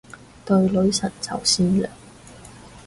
對女神就善良